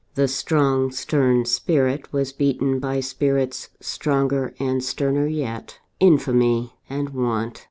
The strong, stern spirit was beaten by spirits stronger and sterner yet Infamy and Want.